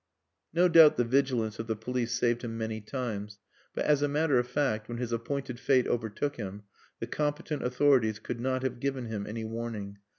No doubt the vigilance of the police saved him many times; but, as a matter of fact, when his appointed fate overtook him, the competent authorities could not have given him any warning.